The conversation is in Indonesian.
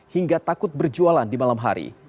hingga takut berjualan di malam hari